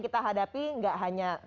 kita hadapi tidak hanya